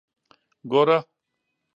ګوره.